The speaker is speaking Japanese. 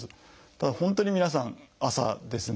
ただ本当に皆さん朝ですね。